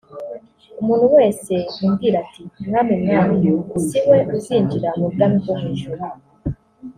Umuntu wese umbwira ati ‘mwami mwami’ si we uzinjira mu bwami bwo mu ijuru